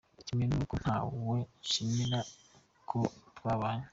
Kimwe nuko ntawe nshimira ko twabanye.